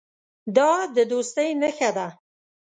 دا د دوستۍ نښه ده.